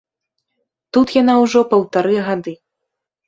Тут яна ўжо паўтары гады.